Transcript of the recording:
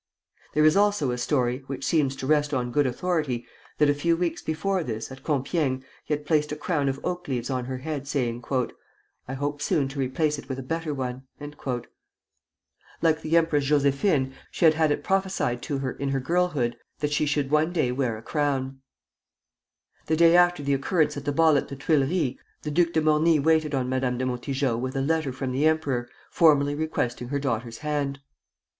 There is also a story, which seems to rest on good authority, that a few weeks before this, at Compiègne, he had placed a crown of oak leaves on her head, saying: "I hope soon to replace it with a better one." Like the Empress Josephine, she had had it prophesied to her in her girlhood that she should one day wear a crown. [Footnote 2: Jerrold, Life of Napoleon III.] The day after the occurrence at the ball at the Tuileries, the Duc de Morny waited on Madame de Montijo with a letter from the emperor, formally requesting her daughter's hand.